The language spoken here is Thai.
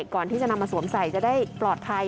ก่อนที่จะนำมาสวมใส่จะได้ปลอดภัย